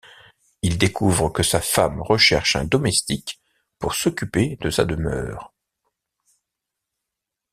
Il découvre que sa femme recherche un domestique pour s'occuper de sa demeure.